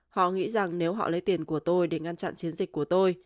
họ nghĩ rằng nếu họ lấy tiền của tôi để ngăn chặn chiến dịch của tôi